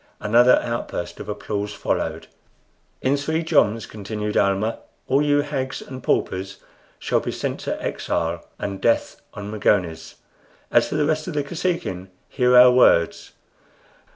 Another outburst of applause followed. "In three joms," continued Almah, "all you hags and paupers shall be sent to exile and death on Magones. As for the rest of the Kosekin, hear our words.